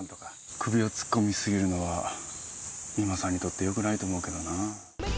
首を突っ込みすぎるのは三馬さんにとってよくないと思うけどな。